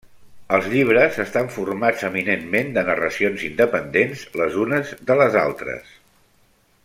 Els llibres estan formats, eminentment, de narracions independents les unes de les altres.